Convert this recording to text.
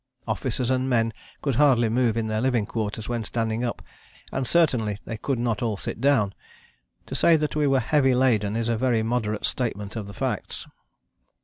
Officers and men could hardly move in their living quarters when standing up, and certainly they could not all sit down. To say that we were heavy laden is a very moderate statement of the facts.